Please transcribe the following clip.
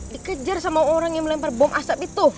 dikejar sama orang yang melempar bom asap itu